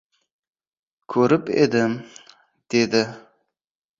— Ko‘rib edim, — dedi.